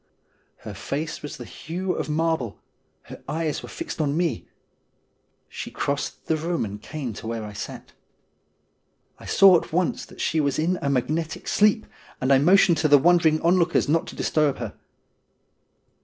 Her face was of the hue of marble ; her eyes were fixed on me ; she crossed the room and came to where I sat. I saw at once that she was in a magnetic sleep, and I motioned to the wondering onlookers not to disturb her.